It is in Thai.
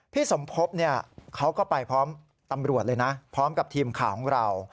สมภพเขาก็ไปพร้อมตำรวจเลยนะพร้อมกับทีมข่าวของเรา